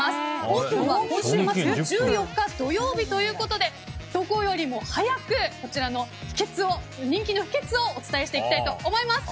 オープンは今週末の１４日土曜日ということでどこよりも早くこちらの人気の秘訣をお伝えしていきたいと思います。